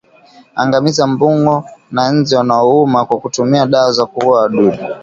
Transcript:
Angamiza mbung'o na nzi wanaouma kwa kutumia dawa za kuua wadudu